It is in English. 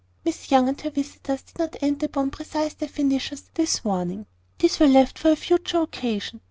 Miss Young and her visitors did not enter upon precise definitions this morning. These were left for a future occasion.